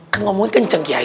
kan ngomongnya kenceng kiai